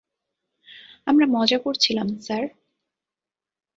আমরা মজা করছিলাম, স্যার।